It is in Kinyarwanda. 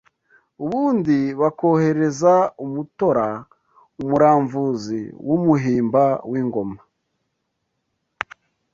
Ubundi bakohereza Umutora umuramvuzi w’umuhimba w’ingoma